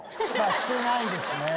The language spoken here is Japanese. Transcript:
してないですね。